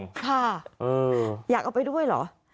ค่ะอยากเอาไปด้วยเหรอ